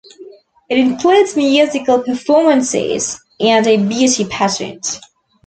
It includes musical performances and a beauty pageant.